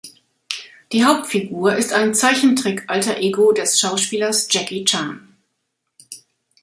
Die Hauptfigur ist ein Zeichentrick-Alter-Ego des Schauspielers Jackie Chan.